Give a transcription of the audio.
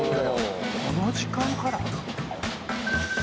この時間から？